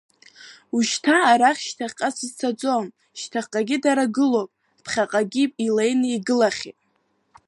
Уышьҭа, арахь шьҭаҟа сызцаӡом, шьҭаҟагь дара гылоп, аԥхьаҟагь илен игылахьет.